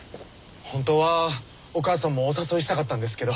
本当はお母さんもお誘いしたかったんですけど。